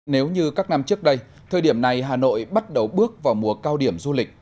nếu như các năm trước đây thời điểm này hà nội bắt đầu bước vào mùa cao điểm du lịch